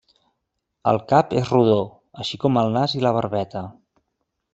El cap és rodó, així com el nas i la barbeta.